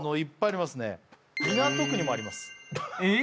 港区にもありますえっ？